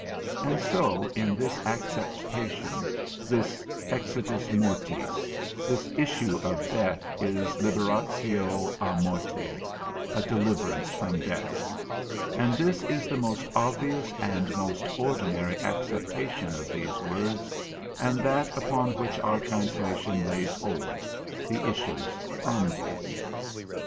And so in this acceptation, this exitus mortis, this issue of death is liberatio á morte, a deliverance from death, and this is the most obvious and most ordinary acceptation of these words, and that upon which our translation lays hold, the issues from death.